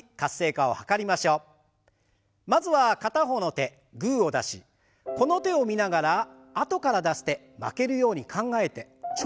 まずは片方の手グーを出しこの手を見ながらあとから出す手負けるように考えてチョキを出します。